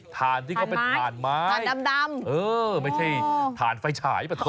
ฐานที่เขาเป็นถ่านม้าถ่านดำเออไม่ใช่ถ่านไฟฉายปะโถ